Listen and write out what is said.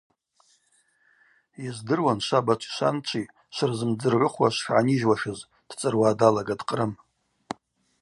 Йыздыруан швабачви шванчви швырзымдзыргӏвыхуа швшгӏанижьуашыз,–дцӏыруа далагатӏ Кърым.